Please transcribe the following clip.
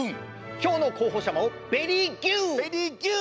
きょうのこうほしゃもベリーギュウ！